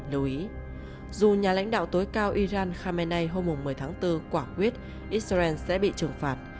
lưu ý dù nhà lãnh đạo tối cao iran khamenei hôm một mươi tháng bốn quả quyết israel sẽ bị trừng phạt